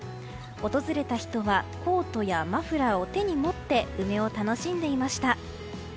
訪れた人はコートやマフラーを手に持って梅を楽しんでいました。